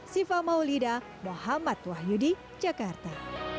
siva maulida muhammad wahyudi jakarta